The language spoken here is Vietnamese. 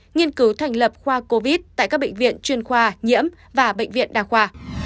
nghiên cứu thành lập khoa covid tại các bệnh viện chuyên khoa nhiễm và bệnh viện đa khoa